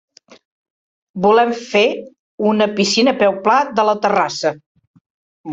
Volem fer una piscina a peu pla de la terrassa.